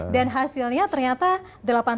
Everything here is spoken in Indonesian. dan hasilnya ternyata delapan tahun berturut turut menjual